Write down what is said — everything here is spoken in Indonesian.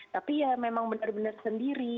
tapi ya memang benar benar sendiri